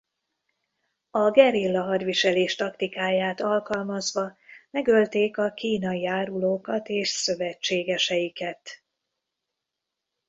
A gerilla hadviselés taktikáját alkalmazva megölték a kínai árulókat és szövetségeseiket.